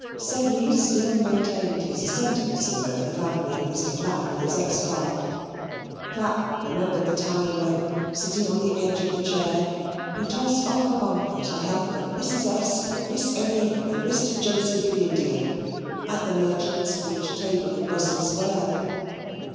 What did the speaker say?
Sedley still maintained his ascendency over the family of Mr. Clapp, his ex clerk. Clapp remembered the time when, sitting on the edge of the chair, he tossed off a bumper to the health of "Mrs. S , Miss Emmy, and Mr. Joseph in India," at the merchant's rich table in Russell Square.